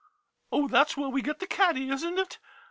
Oh, that 's where we get the caddy, is n't it?